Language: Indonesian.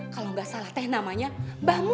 kalau nggak salah teh namanya mbah mumut